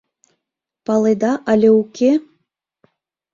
Паледа але уке?..